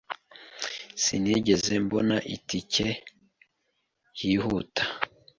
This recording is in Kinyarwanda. Sinigeze mbona itike yihuta.